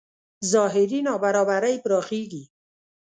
ظاهري نابرابرۍ پراخېږي.